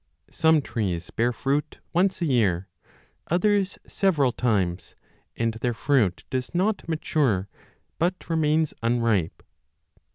Some trees bear fruit once a year, others several times, and their fruit does not mature, but remains unripe.